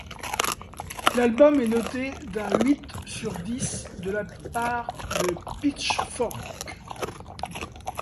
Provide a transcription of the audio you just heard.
L'album est noté d'un huit sur dix de la part de Pitchfork.